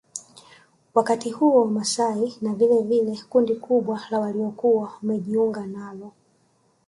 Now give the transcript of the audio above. Wakati huo Wamasai na vilevile kundi kubwa la waliokuwa wamejiunga nalo